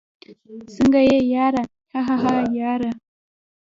څنګه يې ياره؟ هههه ياره